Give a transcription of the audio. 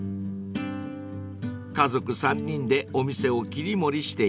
［家族３人でお店を切り盛りしています］